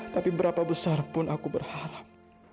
tapi berapa besar pun aku berharap